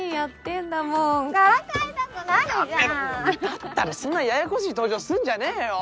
だったらそんなややこしい登場すんじゃねえよ！